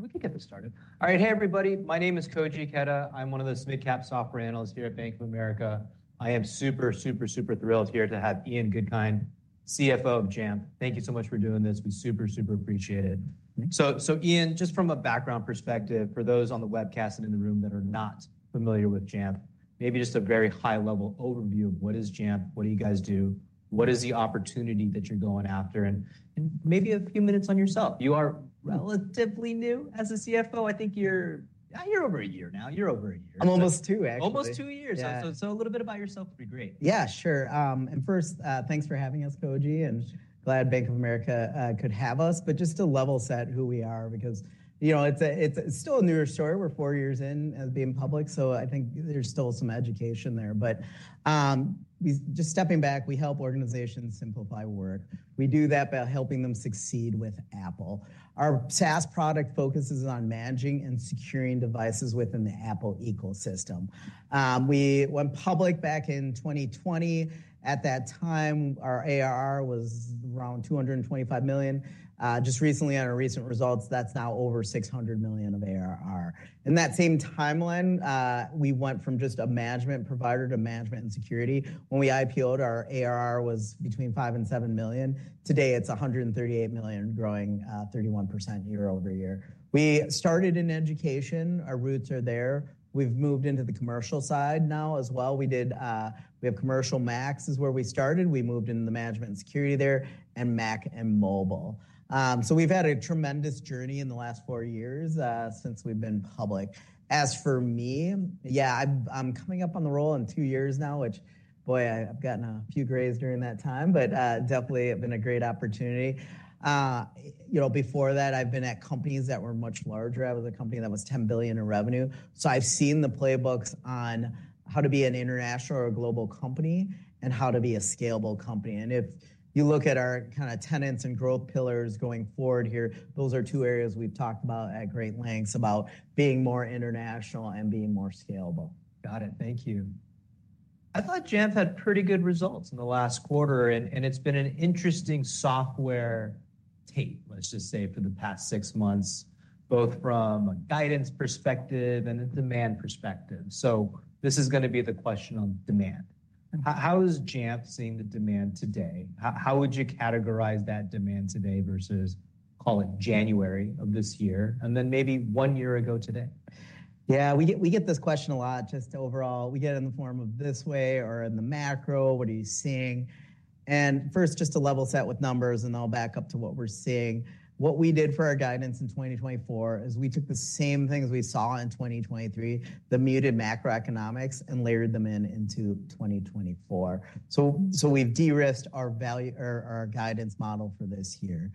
We can get this started. All right. Hey, everybody. My name is Koji Ikeda. I'm one of the mid-cap software analysts here at Bank of America. I am super, super, super thrilled here to have Ian Goodkind, CFO of Jamf. Thank you so much for doing this. We super, super appreciate it. So, so Ian, just from a background perspective, for those on the webcast and in the room that are not familiar with Jamf, maybe just a very high-level overview of what is Jamf, what do you guys do, what is the opportunity that you're going after? And, and maybe a few minutes on yourself. You are relatively new as a CFO. I think you're, you're over a year now. You're over a year. I'm almost two, actually. Almost two years. Yeah. So, a little bit about yourself would be great. Yeah, sure. And first, thanks for having us, Koji, and glad Bank of America could have us. But just to level set who we are, because, you know, it's still a newer story. We're four years in being public, so I think there's still some education there. But just stepping back, we help organizations simplify work. We do that by helping them succeed with Apple. Our SaaS product focuses on managing and securing devices within the Apple ecosystem. We went public back in 2020. At that time, our ARR was around $225 million. Just recently on our recent results, that's now over $600 million of ARR. In that same timeline, we went from just a management provider to management and security. When we IPO'd, our ARR was between $5-$7 million. Today, it's $138 million, growing 31% year-over-year. We started in education. Our roots are there. We've moved into the commercial side now as well. We did, we have commercial Macs is where we started. We moved into the management and security there, and Mac and mobile. So we've had a tremendous journey in the last four years, since we've been public. As for me, yeah, I'm coming up on the role in two years now, which, boy, I've gotten a few grays during that time, but definitely have been a great opportunity. You know, before that, I've been at companies that were much larger. I was a company that was $10 billion in revenue, so I've seen the playbooks on how to be an international or a global company and how to be a scalable company. If you look at our kinda tenets and growth pillars going forward here, those are two areas we've talked about at great lengths about being more international and being more scalable. Got it. Thank you. I thought Jamf had pretty good results in the last quarter, and it's been an interesting software tape, let's just say, for the past six months, both from a guidance perspective and a demand perspective. So this is gonna be the question on demand. How is Jamf seeing the demand today? How would you categorize that demand today versus, call it, January of this year, and then maybe one year ago today? Yeah, we get this question a lot, just overall. We get it in the form of this way or in the macro, what are you seeing? First, just to level set with numbers, and I'll back up to what we're seeing. What we did for our guidance in 2024 is we took the same things we saw in 2023, the muted macroeconomics, and layered them in into 2024. So, we've de-risked our value or our guidance model for this year.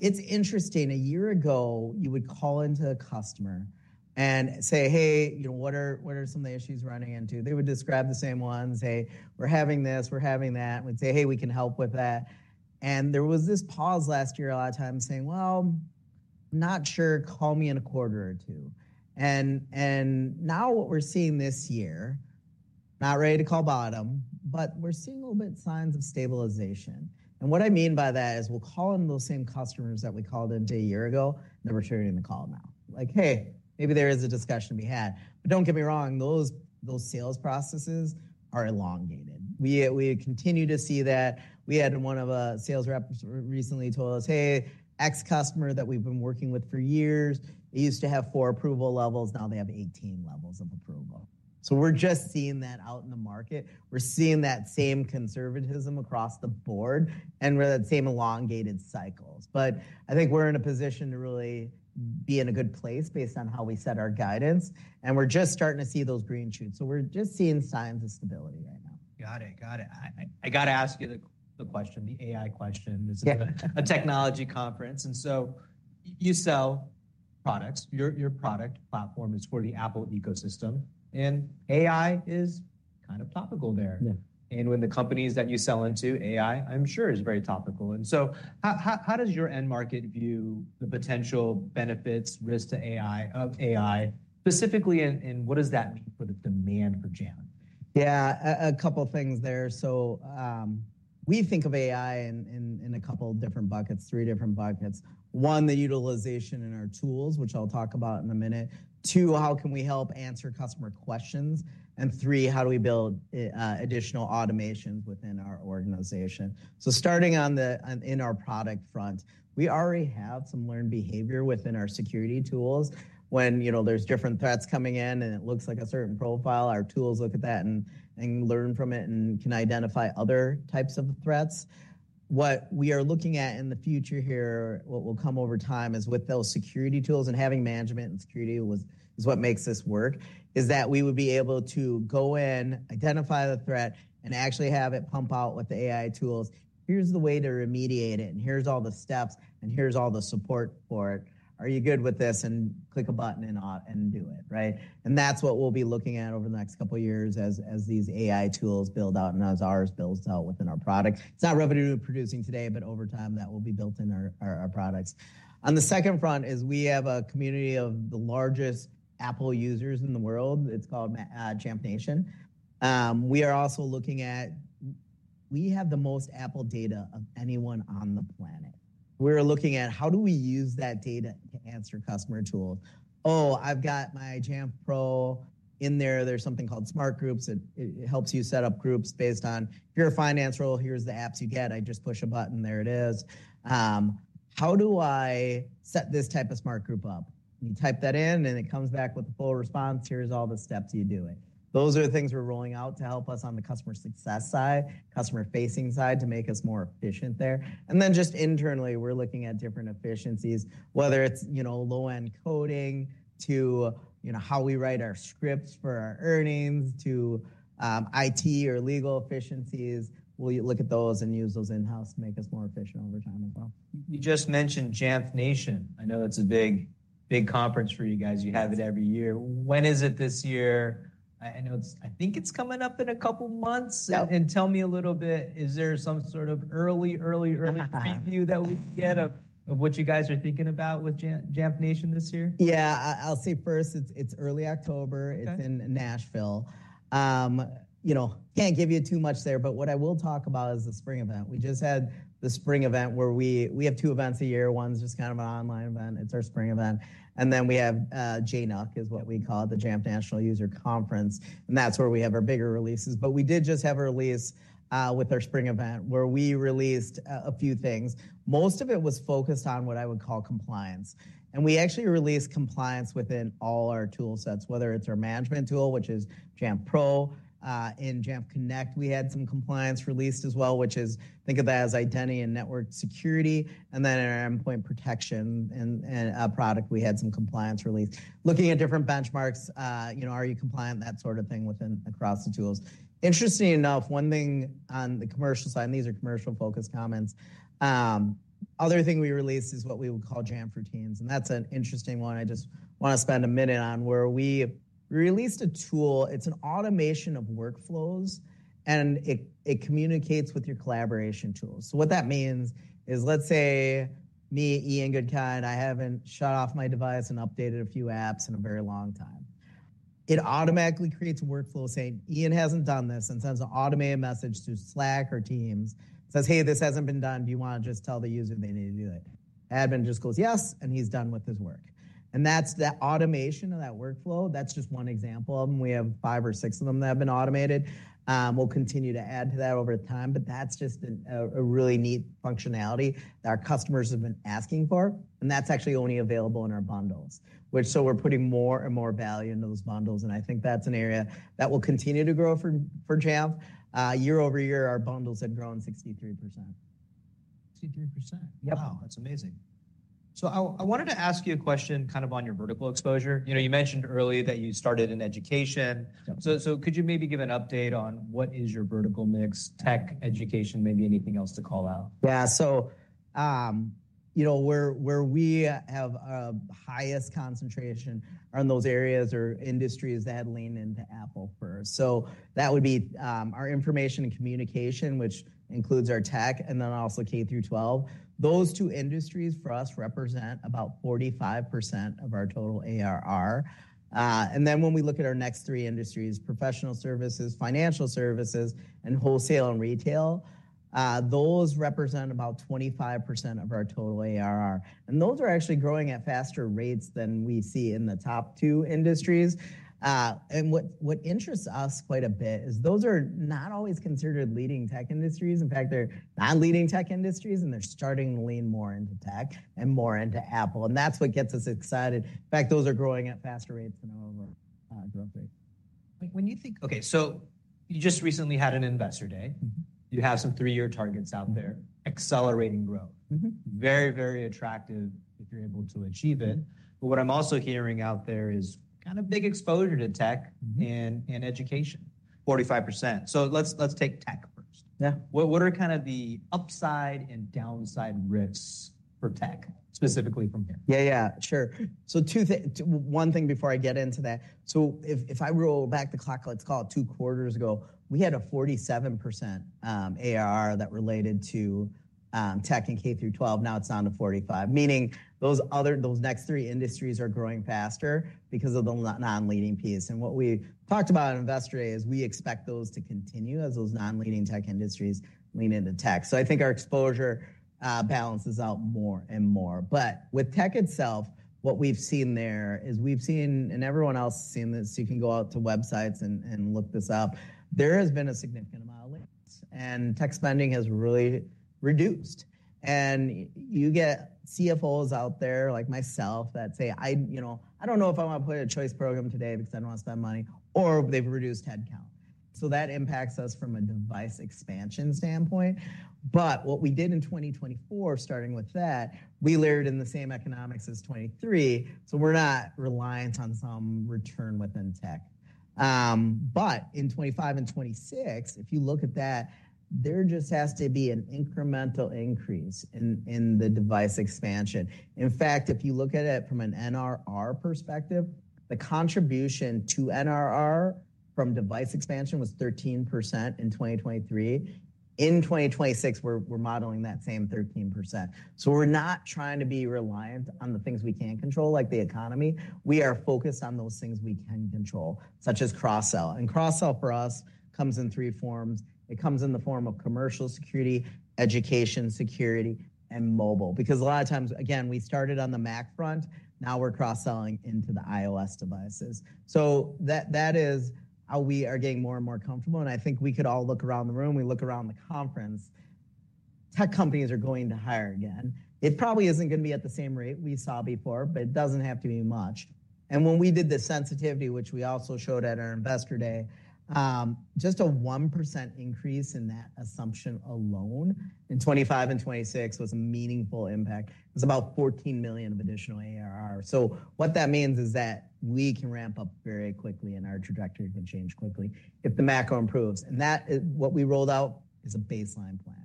It's interesting, a year ago, you would call into a customer and say, "Hey, you know, what are some of the issues running into?" They would describe the same ones, say: "We're having this, we're having that." We'd say: "Hey, we can help with that." And there was this pause last year, a lot of times saying: "Well, not sure. Call me in a quarter or two." And now what we're seeing this year, not ready to call bottom, but we're seeing a little bit signs of stabilization. And what I mean by that is, we'll call on those same customers that we called into a year ago, and they're returning the call now. Like, "Hey, maybe there is a discussion to be had." But don't get me wrong, those sales processes are elongated. We continue to see that. We had one of our sales reps recently told us, "Hey, X customer that we've been working with for years, they used to have four approval levels, now they have 18 levels of approval." So we're just seeing that out in the market. We're seeing that same conservatism across the board and really the same elongated cycles. But I think we're in a position to really be in a good place based on how we set our guidance, and we're just starting to see those green shoots. So we're just seeing signs of stability right now. Got it. Got it. I gotta ask you the question, the AI question. Yeah. This is a technology conference, and so you sell products. Your, your product platform is for the Apple ecosystem, and AI is kind of topical there. Yeah. With the companies that you sell into, AI, I'm sure, is very topical. So how does your end market view the potential benefits, risks to AI, of AI, specifically, and what does that mean for the demand for Jamf? Yeah, a couple of things there. So, we think of AI in a couple of different buckets, three different buckets. One, the utilization in our tools, which I'll talk about in a minute. Two, how can we help answer customer questions? And three, how do we build additional automations within our organization? So starting on our product front, we already have some learned behavior within our security tools. When, you know, there's different threats coming in and it looks like a certain profile, our tools look at that and learn from it and can identify other types of threats. What we are looking at in the future here, what will come over time, is with those security tools and having management and security is what makes this work, is that we would be able to go in, identify the threat, and actually have it pump out with the AI tools. Here's the way to remediate it, and here's all the steps, and here's all the support for it. Are you good with this? And click a button and do it, right? And that's what we'll be looking at over the next couple of years as these AI tools build out and as ours builds out within our product. It's not revenue-producing today, but over time, that will be built in our products. On the second front is we have a community of the largest Apple users in the world. It's called Jamf Nation. We have the most Apple data of anyone on the planet. We're looking at how do we use that data to answer customer questions? Oh, I've got my Jamf Pro in there. There's something called Smart Groups. It helps you set up groups based on, if you're a finance role, here's the apps you get. I just push a button, there it is. How do I set this type of Smart Group up? You type that in, and it comes back with a full response. Here's all the steps you do it. Those are the things we're rolling out to help us on the customer success side, customer-facing side, to make us more efficient there. And then just internally, we're looking at different efficiencies, whether it's, you know, low-code to, you know, how we write our scripts for our earnings, to IT or legal efficiencies. We'll look at those and use those in-house to make us more efficient over time as well. You just mentioned Jamf Nation. I know that's a big, big conference for you guys. Yes. You have it every year. When is it this year? I know it's—I think it's coming up in a couple of months. Yeah. Tell me a little bit, is there some sort of early... preview that we can get of what you guys are thinking about with Jamf, Jamf Nation this year? Yeah, I'll say first, it's early October. Okay. It's in Nashville. You know, can't give you too much there, but what I will talk about is the Spring Event. We just had the Spring Event where we have two events a year. One is just kind of an online event. It's our Spring Event. And then we have JNUC, is what we call it, the Jamf Nation User Conference, and that's where we have our bigger releases. But we did just have a release with our Spring Event, where we released a few things. Most of it was focused on what I would call compliance, and we actually released compliance within all our tool sets, whether it's our management tool, which is Jamf Pro. In Jamf Connect, we had some compliance released as well, which is, think of that as identity and network security, and then in our endpoint protection product, we had some compliance released. Looking at different benchmarks, you know, are you compliant? That sort of thing within, across the tools. Interesting enough, one thing on the commercial side, and these are commercial-focused comments, other thing we released is what we would call Jamf Routines, and that's an interesting one I just want to spend a minute on, where we released a tool. It's an automation of workflows, and it communicates with your collaboration tools. So what that means is, let's say, me, Ian Goodkind, I haven't shut off my device and updated a few apps in a very long time. It automatically creates a workflow saying, "Ian hasn't done this," and sends an automated message to Slack or Teams, says, "Hey, this hasn't been done. Do you want to just tell the user they need to do it?" Admin just goes, "Yes," and he's done with his work. And that's the automation of that workflow. That's just one example of them. We have five or six of them that have been automated. We'll continue to add to that over time, but that's just a really neat functionality that our customers have been asking for, and that's actually only available in our bundles, which, so we're putting more and more value into those bundles, and I think that's an area that will continue to grow for Jamf. Year-over-year, our bundles have grown 63%. Sixty-three percent? Yep. Wow, that's amazing. So I, I wanted to ask you a question kind of on your vertical exposure. You know, you mentioned earlier that you started in education. Yep. So, could you maybe give an update on what is your vertical mix? Tech, education, maybe anything else to call out. Yeah, so, you know, where we have a highest concentration are in those areas or industries that lean into Apple first. So that would be our information and communication, which includes our tech, and then also K-12. Those two industries, for us, represent about 45% of our total ARR. And then when we look at our next three industries, professional services, financial services, and wholesale and retail, those represent about 25% of our total ARR. And those are actually growing at faster rates than we see in the top two industries. And what interests us quite a bit is those are not always considered leading tech industries. In fact, they're non-leading tech industries, and they're starting to lean more into tech and more into Apple, and that's what gets us excited. In fact, those are growing at faster rates than our overall growth rate. Okay, so you just recently had an Investor Day. You have some three-year targets out there accelerating growth. Very, very attractive if you're able to achieve it. But what I'm also hearing out there is kind of big exposure to tech and education, 45%. So let's take tech first. Yeah. What are kind of the upside and downside risks for tech, specifically from Jamf? Yeah, yeah. Sure. So one thing before I get into that: so if I roll back the clock, let's call it two quarters ago, we had a 47% ARR that related to tech and K-12. Now, it's down to 45%, meaning those other, those next three industries are growing faster because of the non-leading piece. And what we talked about at Investor Day is we expect those to continue as those non-leading tech industries lean into tech. So I think our exposure balances out more and more. But with tech itself, what we've seen there is we've seen, and everyone else has seen this, you can go out to websites and look this up, there has been a significant amount of layoffs, and tech spending has really reduced. You get CFOs out there, like myself, that say, "I, you know, I don't know if I want to deploy a choice program today because I don't want to spend money," or they've reduced headcount. So that impacts us from a device expansion standpoint. But what we did in 2024, starting with that, we layered in the same economics as 2023, so we're not reliant on some return within tech. But in 2025 and 2026, if you look at that, there just has to be an incremental increase in the device expansion. In fact, if you look at it from an NRR perspective, the contribution to NRR from device expansion was 13% in 2023... in 2026, we're modeling that same 13%. So we're not trying to be reliant on the things we can't control, like the economy. We are focused on those things we can control, such as cross-sell. And cross-sell for us comes in three forms. It comes in the form of commercial security, education security, and mobile. Because a lot of times, again, we started on the Mac front, now we're cross-selling into the iOS devices. So that is how we are getting more and more comfortable, and I think we could all look around the room, we look around the conference, tech companies are going to hire again. It probably isn't going to be at the same rate we saw before, but it doesn't have to be much. And when we did the sensitivity, which we also showed at our investor day, just a 1% increase in that assumption alone in 2025 and 2026 was a meaningful impact. It was about $14 million of additional ARR. What that means is that we can ramp up very quickly, and our trajectory can change quickly if the macro improves. That is, what we rolled out, is a baseline plan.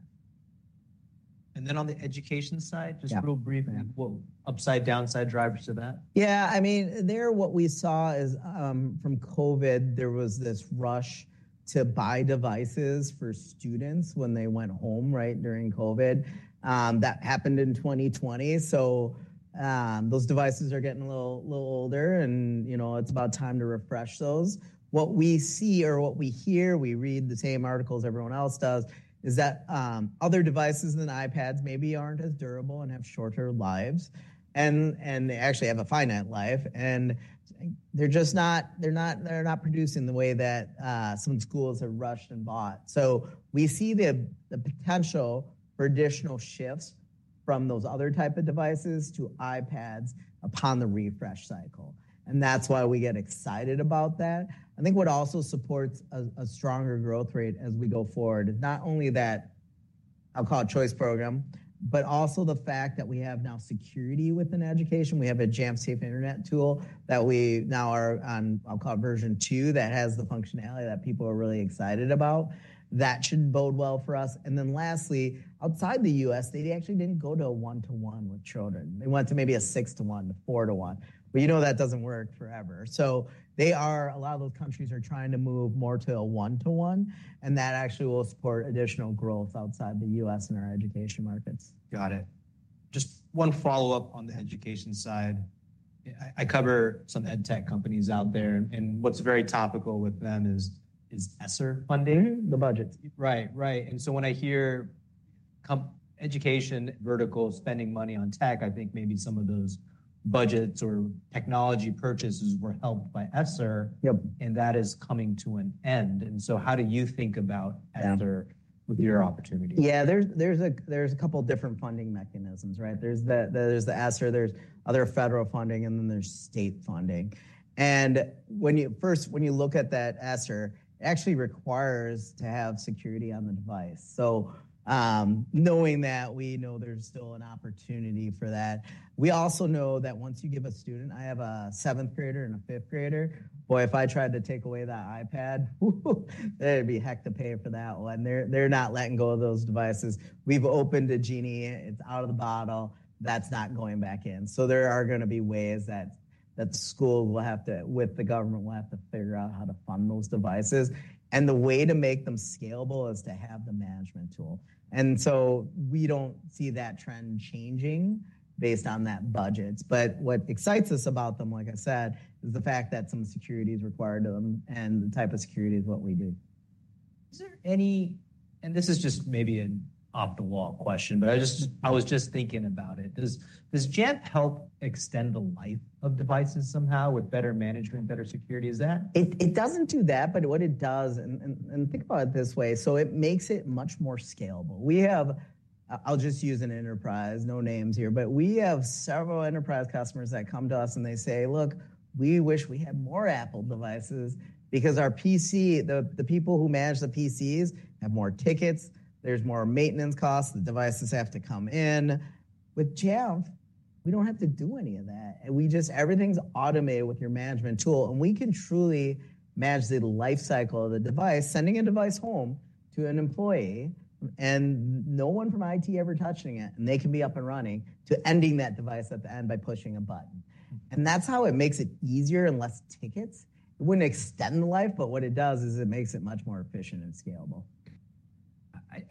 And then on the education side- Yeah. Just real briefly, what upside, downside drivers to that? Yeah, I mean, what we saw is, from COVID, there was this rush to buy devices for students when they went home, right, during COVID. That happened in 2020, so, those devices are getting a little older and, you know, it's about time to refresh those. What we see or what we hear, we read the same articles everyone else does, is that, other devices than iPads maybe aren't as durable and have shorter lives, and they actually have a finite life, and they're just not produced in the way that some schools have rushed and bought. So we see the potential for additional shifts from those other type of devices to iPads upon the refresh cycle. And that's why we get excited about that. I think what also supports a stronger growth rate as we go forward, not only that, I'll call it choice program, but also the fact that we have now security within education. We have a Jamf Safe Internet tool that we now are on, I'll call it version 2, that has the functionality that people are really excited about. That should bode well for us. And then lastly, outside the U.S., they actually didn't go to a 1-to-1 with children. They went to maybe a 6-to-1, a 4-to-1. But you know that doesn't work forever. So they are a lot of those countries are trying to move more to a 1-to-1, and that actually will support additional growth outside the U.S. and our education markets. Got it. Just one follow-up on the education side. I cover some edtech companies out there, and what's very topical with them is ESSER funding. The budget. Right. Right. And so when I hear education vertical spending money on tech, I think maybe some of those budgets or technology purchases were helped by ESSER. Yep. That is coming to an end. So how do you think about- Yeah ESSER with your opportunity? Yeah, there's a couple different funding mechanisms, right? There's the ESSER, there's other federal funding, and then there's state funding. And when you first look at that ESSER, it actually requires to have security on the device. So, knowing that, we know there's still an opportunity for that. We also know that once you give a student... I have a seventh grader and a fifth grader. Boy, if I tried to take away that iPad, there'd be heck to pay for that one. They're not letting go of those devices. We've opened a genie, it's out of the bottle, that's not going back in. So there are gonna be ways that school will have to, with the government, figure out how to fund those devices. The way to make them scalable is to have the management tool. We don't see that trend changing based on that budgets. What excites us about them, like I said, is the fact that some security is required of them, and the type of security is what we do. Is there any... And this is just maybe an off-the-wall question, but I just- Yeah. I was just thinking about it. Does Jamf help extend the life of devices somehow with better management, better security? Is that- It doesn't do that, but what it does, think about it this way: so it makes it much more scalable. We have, I'll just use an enterprise, no names here, but we have several enterprise customers that come to us and they say, "Look, we wish we had more Apple devices because our PC, the people who manage the PCs, have more tickets, there's more maintenance costs, the devices have to come in. With Jamf, we don't have to do any of that. Everything's automated with your management tool, and we can truly manage the life cycle of the device, sending a device home to an employee and no one from IT ever touching it, and they can be up and running, to ending that device at the end by pushing a button." And that's how it makes it easier and less tickets. It wouldn't extend the life, but what it does is it makes it much more efficient and scalable.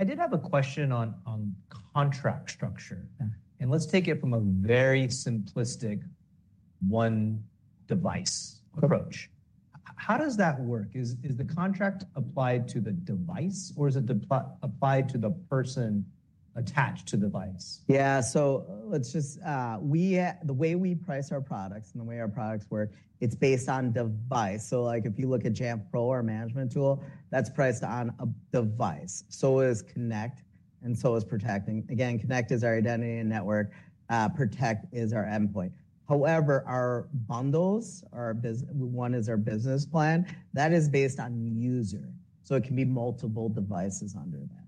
I did have a question on contract structure. Yeah. Let's take it from a very simplistic one device approach. Sure. How does that work? Is the contract applied to the device or is it applied to the person attached to the device? Yeah. So let's just, the way we price our products and the way our products work, it's based on device. So like if you look at Jamf Pro, our management tool, that's priced on a device. So is Connect and so is Protect. Again, Connect is our identity and network, Protect is our endpoint. However, our bundles, our business one is our Business Plan, that is based on user, so it can be multiple devices under that.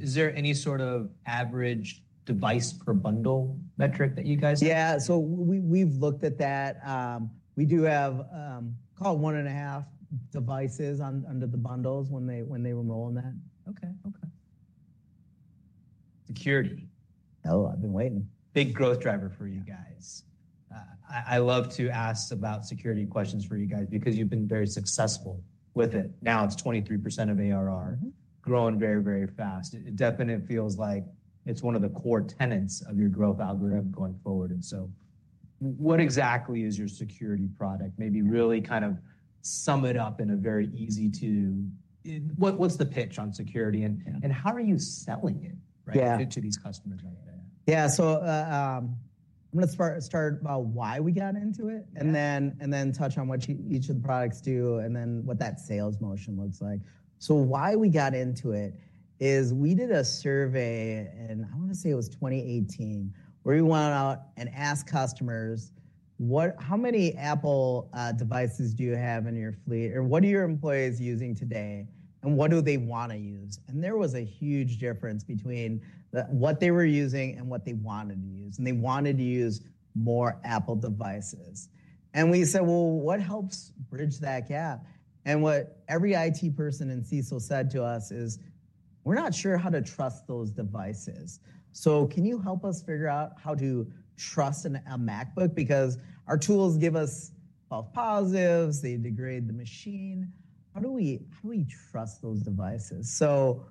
Is there any sort of average device per bundle metric that you guys have? Yeah, so we, we've looked at that. We do have, call it 1.5 devices on- under the bundles when they, when they were rolling that. Okay. Okay.... Security. Oh, I've been waiting. Big growth driver for you guys. I love to ask about security questions for you guys because you've been very successful with it. Now it's 23% of ARR. Growing very, very fast. It definitely feels like it's one of the core tenets of your growth algorithm going forward. And so what exactly is your security product? Maybe really kind of sum it up in a very easy to... What, what's the pitch on security, and- Yeah... and how are you selling it, right? Yeah to these customers out there? Yeah. So, I'm going to start about why we got into it- Yeah... and then touch on what each of the products do, and then what that sales motion looks like. So why we got into it is we did a survey in, I want to say it was 2018, where we went out and asked customers: What, how many Apple devices do you have in your fleet? Or what are your employees using today, and what do they want to use? And there was a huge difference between the, what they were using and what they wanted to use, and they wanted to use more Apple devices. And we said: "Well, what helps bridge that gap?" And what every IT person and CISO said to us is: "We're not sure how to trust those devices. So can you help us figure out how to trust a MacBook? Because our tools give us false positives, they degrade the machine. How do we, how do we trust those devices?" So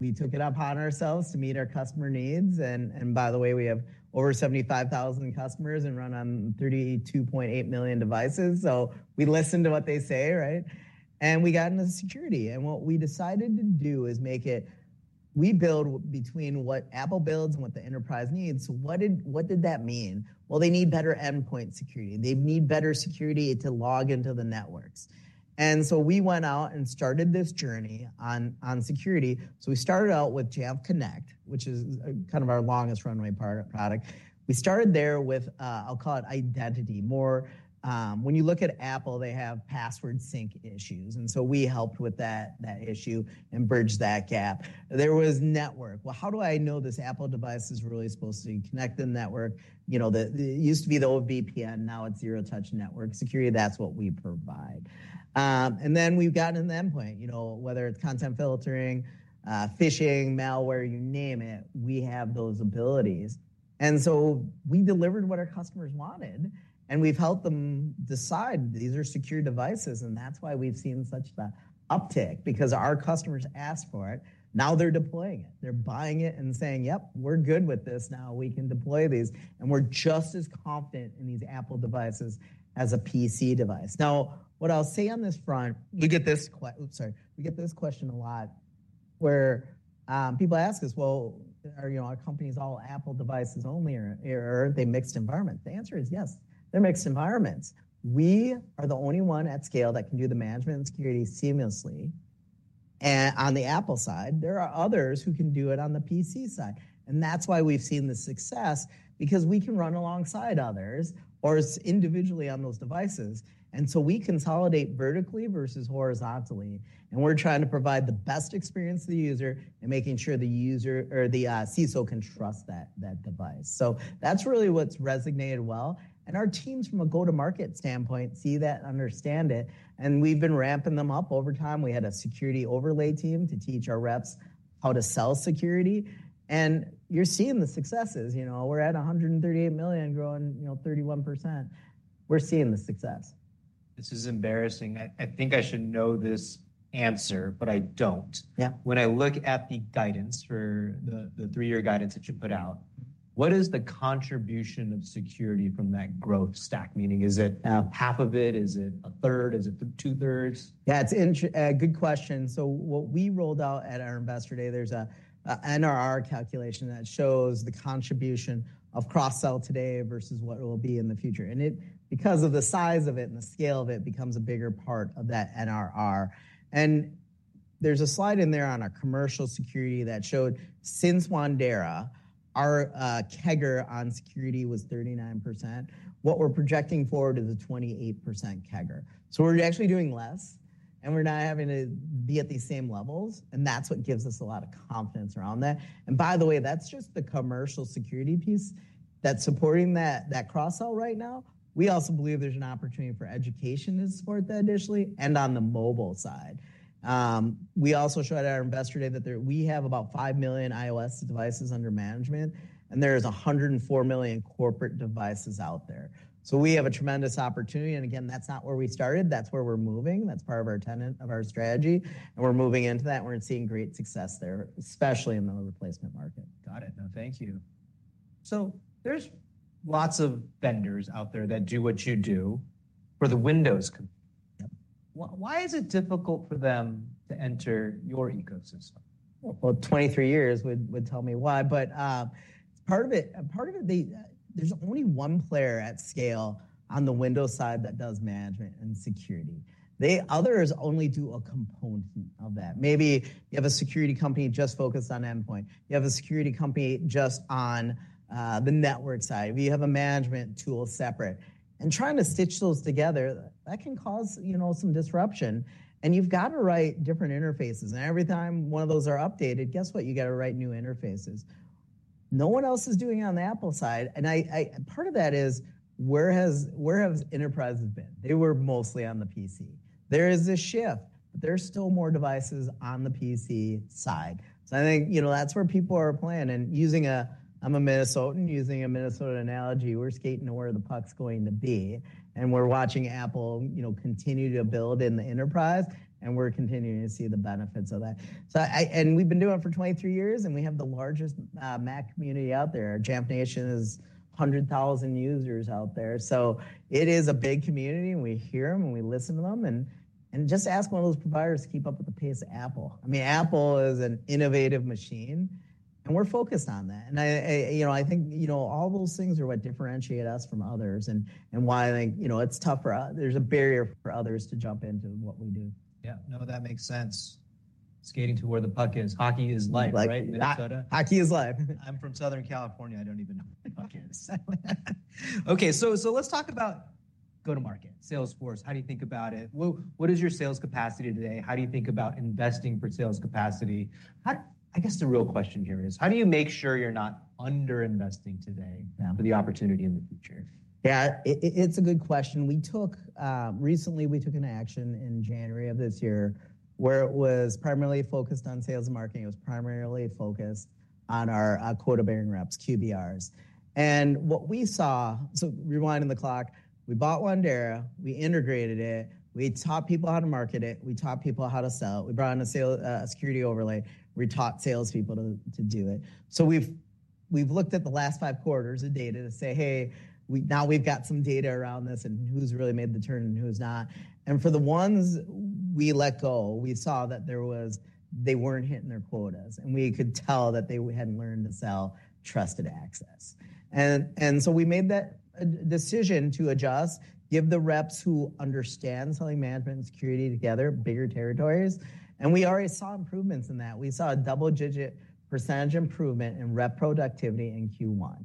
we took it upon ourselves to meet our customer needs. And by the way, we have over 75,000 customers and run on 32.8 million devices, so we listen to what they say, right? And we got into security, and what we decided to do is make it, we build between what Apple builds and what the enterprise needs. So what did that mean? Well, they need better endpoint security. They need better security to log into the networks. And so we went out and started this journey on security. So we started out with Jamf Connect, which is kind of our longest runway pro-product. We started there with, I'll call it identity, more... When you look at Apple, they have password sync issues, and so we helped with that, that issue and bridged that gap. There was network. Well, how do I know this Apple device is really supposed to connect the network? You know, the, it used to be the old VPN, now it's Zero Trust network security. That's what we provide. And then we've got an endpoint, you know, whether it's content filtering, phishing, malware, you name it, we have those abilities. And so we delivered what our customers wanted, and we've helped them decide these are secure devices, and that's why we've seen such a uptick, because our customers asked for it. Now they're deploying it. They're buying it and saying: "Yep, we're good with this. Now we can deploy these, and we're just as confident in these Apple devices as a PC device." Now, what I'll say on this front, we get this question a lot, where people ask us: "Well, are, you know, are companies all Apple devices only or, or are they mixed environment?" The answer is yes, they're mixed environments. We are the only one at scale that can do the management and security seamlessly. And on the Apple side, there are others who can do it on the PC side, and that's why we've seen the success, because we can run alongside others or individually on those devices. And so we consolidate vertically versus horizontally, and we're trying to provide the best experience to the user and making sure the user or the CISO can trust that, that device. That's really what's resonated well, and our teams, from a go-to-market standpoint, see that and understand it, and we've been ramping them up over time. We had a security overlay team to teach our reps how to sell security, and you're seeing the successes. You know, we're at $138 million, growing, you know, 31%. We're seeing the success. This is embarrassing. I, I think I should know this answer, but I don't. Yeah. When I look at the guidance for the three-year guidance that you put out, what is the contribution of security from that growth stack? Meaning, is it- Yeah... half of it? Is it a third? Is it two-thirds? Yeah, good question. So what we rolled out at our Investor Day, there's a NRR calculation that shows the contribution of cross-sell today versus what it will be in the future. And it, because of the size of it and the scale of it, becomes a bigger part of that NRR. And there's a slide in there on our commercial security that showed since Wandera, our CAGR on security was 39%. What we're projecting forward is a 28% CAGR. So we're actually doing less, and we're not having to be at the same levels, and that's what gives us a lot of confidence around that. And by the way, that's just the commercial security piece that's supporting that cross-sell right now. We also believe there's an opportunity for education to support that initially, and on the mobile side. We also showed at our Investor Day that we have about 5 million iOS devices under management, and there is 104 million corporate devices out there. So we have a tremendous opportunity, and again, that's not where we started, that's where we're moving. That's part of our tenet, of our strategy, and we're moving into that, and we're seeing great success there, especially in the replacement market. Got it. No, thank you. There's lots of vendors out there that do what you do for the Windows company. Yep. Why is it difficult for them to enter your ecosystem? Well, 23 years would tell me why, but part of it, part of it... There's only one player at scale on the Windows side that does management and security. The others only do a component of that. Maybe you have a security company just focused on endpoint. You have a security company just on the network side, or you have a management tool separate. And trying to stitch those together, that can cause, you know, some disruption, and you've got to write different interfaces. And every time one of those are updated, guess what? You've got to write new interfaces... No one else is doing it on the Apple side, and I—part of that is where have enterprises been? They were mostly on the PC. There is a shift, but there are still more devices on the PC side. So I think, you know, that's where people are playing and using a... I'm a Minnesotan, using a Minnesota analogy, we're skating to where the puck's going to be, and we're watching Apple, you know, continue to build in the enterprise, and we're continuing to see the benefits of that. So I—and we've been doing it for 23 years, and we have the largest Mac community out there. Jamf Nation is 100,000 users out there. So it is a big community, and we hear them, and we listen to them, and just ask one of those providers to keep up with the pace of Apple. I mean, Apple is an innovative machine, and we're focused on that. I, you know, I think, you know, all those things are what differentiate us from others and why I think, you know, it's tough for us. There's a barrier for others to jump into what we do. Yeah. No, that makes sense. Skating to where the puck is. Hockey is life, right, Minnesota? Hockey is life. I'm from Southern California. I don't even know where the puck is. Okay, so, so let's talk about go-to-market. sales force, how do you think about it? Well, what is your sales capacity today? How do you think about investing for sales capacity? How, I guess the real question here is, how do you make sure you're not underinvesting today- Yeah... for the opportunity in the future? Yeah, it's a good question. Recently, we took an action in January of this year, where it was primarily focused on sales and marketing. It was primarily focused on our quota-bearing reps, QBRs. And what we saw, so rewinding the clock, we bought Wandera, we integrated it, we taught people how to market it, we taught people how to sell it. We brought in a sales security overlay, we taught salespeople to do it. So we've looked at the last five quarters of data to say, "Hey, now we've got some data around this, and who's really made the turn and who's not." And for the ones we let go, we saw that there was. They weren't hitting their quotas, and we could tell that they hadn't learned to sell Trusted Access. And so we made that decision to adjust, give the reps who understand selling management and security together bigger territories. And we already saw improvements in that. We saw a double-digit % improvement in rep productivity in Q1.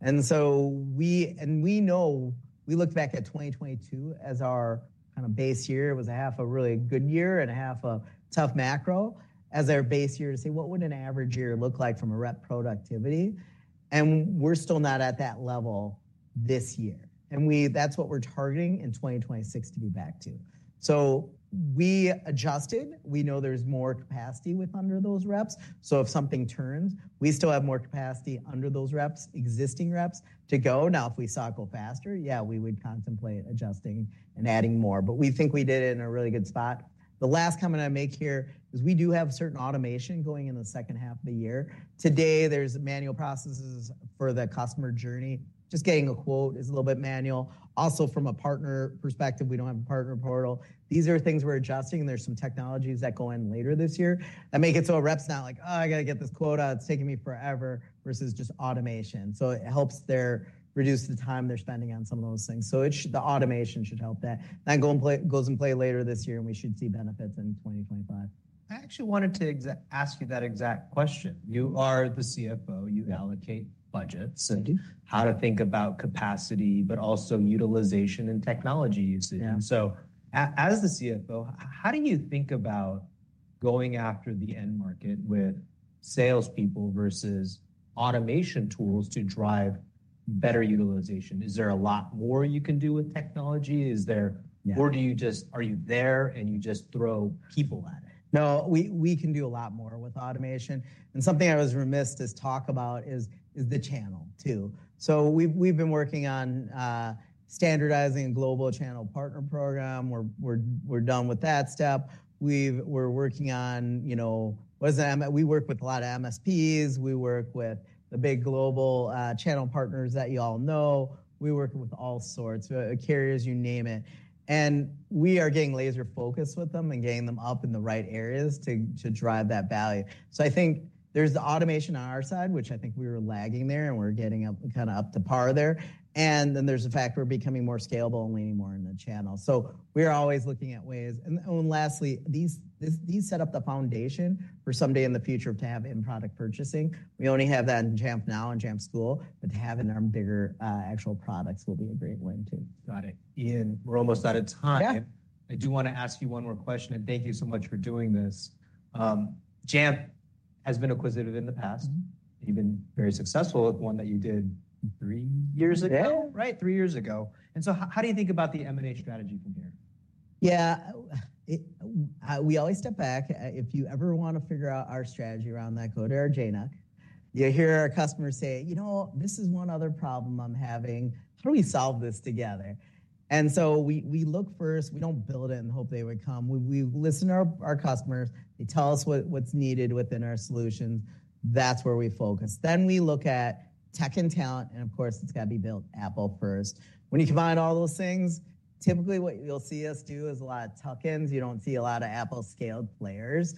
And so we know, we looked back at 2022 as our kind of base year. It was a half a really good year and a half a tough macro as our base year to say, what would an average year look like from a rep productivity? And we're still not at that level this year. And we... That's what we're targeting in 2026 to be back to. So we adjusted. We know there's more capacity with under those reps, so if something turns, we still have more capacity under those reps, existing reps, to go. Now, if we cycle faster, yeah, we would contemplate adjusting and adding more, but we think we did it in a really good spot. The last comment I'd make here is we do have certain automation going in the second half of the year. Today, there's manual processes for the customer journey. Just getting a quote is a little bit manual. Also, from a partner perspective, we don't have a partner portal. These are things we're adjusting, and there's some technologies that go in later this year that make it so a rep's not like, "Oh, I got to get this quota. It's taking me forever," versus just automation. So it helps them reduce the time they're spending on some of those things. So it should, the automation should help that. That go in play, goes in play later this year, and we should see benefits in 2025. I actually wanted to ask you that exact question. You are the CFO. Yeah. You allocate budgets- I do... how to think about capacity, but also utilization and technology usage. Yeah. So, as the CFO, how do you think about going after the end market with salespeople versus automation tools to drive better utilization? Is there a lot more you can do with technology? Is there- Yeah... or do you just, are you there and you just throw people at it? No, we can do a lot more with automation. And something I was remiss to talk about is the channel, too. So we've been working on standardizing global channel partner program. We're done with that step. We're working on, you know, what's the... We work with a lot of MSPs. We work with the big global channel partners that you all know. We work with all sorts, carriers, you name it. And we are getting laser-focused with them and getting them up in the right areas to drive that value. So I think there's the automation on our side, which I think we were lagging there, and we're getting up, kind of up to par there. And then there's the fact we're becoming more scalable and leaning more in the channel. So we are always looking at ways. Lastly, this sets up the foundation for someday in the future to have in-product purchasing. We only have that in Jamf Now and Jamf School, but to have it in our bigger actual products will be a great win, too. Got it. Ian, we're almost out of time. Yeah. I do want to ask you one more question, and thank you so much for doing this. Jamf has been acquisitive in the past. You've been very successful with one that you did three years ago? Yeah. Right, three years ago. And so how do you think about the M&A strategy from here? Yeah, we always step back. If you ever want to figure out our strategy around that, go to our JNUC. You hear our customers say: "You know, this is one other problem I'm having. How do we solve this together?" And so we look first. We don't build it and hope they would come. We listen to our customers. They tell us what's needed within our solutions. That's where we focus. Then we look at tech and talent, and of course, it's got to be built Apple first. When you combine all those things, typically what you'll see us do is a lot of tuck-ins. You don't see a lot of Apple-scaled players.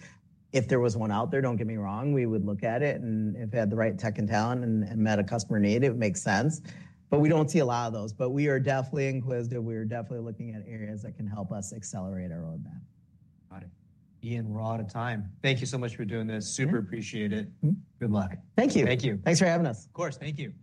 If there was one out there, don't get me wrong, we would look at it, and if it had the right tech and talent and met a customer need, it would make sense. But we don't see a lot of those. But we are definitely inquisitive. We are definitely looking at areas that can help us accelerate our roadmap. Got it. Ian, we're out of time. Thank you so much for doing this. Yeah. Super appreciate it. Good luck. Thank you. Thank you. Thanks for having us. Of course. Thank you.